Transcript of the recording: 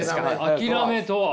諦めとは？